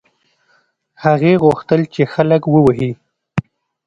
هغې غوښتل چې خلک ووهي.